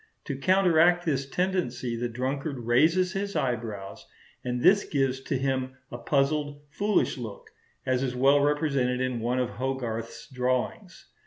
To counteract this tendency the drunkard raises his eyebrows; and this gives to him a puzzled, foolish look, as is well represented in one of Hogarth's drawings.